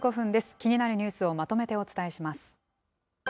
気になるニュースをまとめてお伝えします。